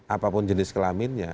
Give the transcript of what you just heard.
apapun jenis kelaminnya